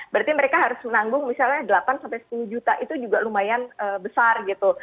berarti mereka harus menanggung misalnya delapan sampai sepuluh juta itu juga lumayan besar gitu